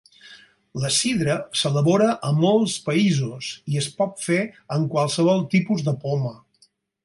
La sidra s'elabora a molts països i es pot fer amb qualsevol tipus de poma.